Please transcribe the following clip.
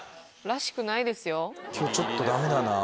今日ちょっとダメだな。